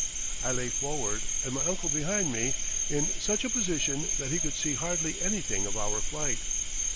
I lay forward, and my uncle behind me in such a position that he could see hardly anything of our flight.